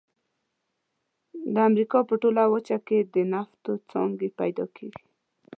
د امریکا په ټوله وچه کې د نفتو څاګانې پیدا کیږي.